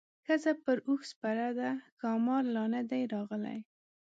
ښځه پر اوښ سپره ده ښامار لا نه دی راغلی.